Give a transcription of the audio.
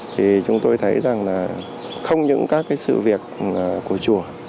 thì chúng tôi thấy rằng là không những các cái sự việc của chùa